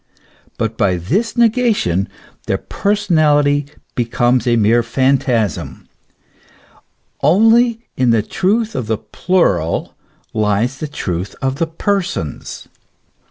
But by this negation their personality becomes a mere phantasm. Only in the truth of the plural lies the truth of the Persons.